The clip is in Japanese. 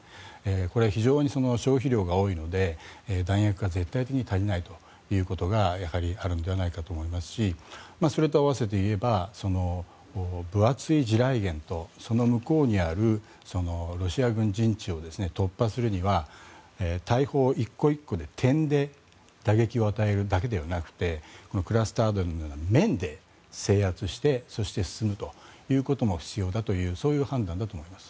これは非常に消費量が多いので弾薬が絶対的に足りないということがやはりあるのではないかと思いますしそれと合わせていえば分厚い地雷原とその向こうにあるロシア軍陣地を突破するには大砲１個１個で点で打撃を与えるだけではなくてクラスター弾の面で制圧してそして、進むということも必要だというそういう判断だと思います。